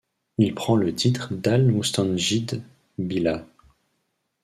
Il prend le titre d’Al-Mustanjid bi-llâh.